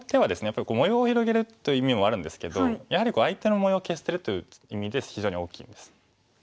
やっぱり模様を広げるという意味もあるんですけどやはり相手の模様を消してるという意味で非常に大きいんです。